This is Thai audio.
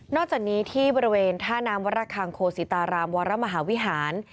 จากนี้ที่บริเวณท่าน้ำวรคังโคศิตารามวรมหาวิหาร